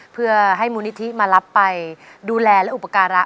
เพื่อให้มูลนิธิมารับไปดูแลและอุปการะ